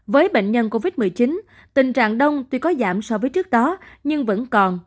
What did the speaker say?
với bệnh nhân covid một mươi chín tình trạng đông tuy có giảm so với trước đó nhưng vẫn còn